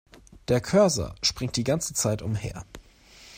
Der Cursor springt die ganze Zeit umher.